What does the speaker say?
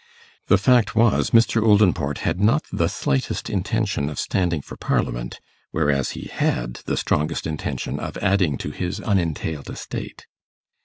The fact was, Mr. Oldinport had not the slightest intention of standing for Parliament, whereas he had the strongest intention of adding to his unentailed estate.